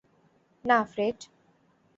না, ফ্রেড।